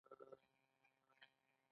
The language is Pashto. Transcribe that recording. هغه دنده چې کارکوونکی ورته توظیف شوی وي.